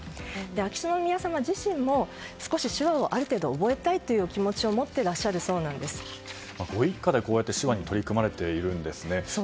秋篠宮さま自身も少し手話をある程度覚えたいという気持ちをご一家で手話に取り組まれているんですね。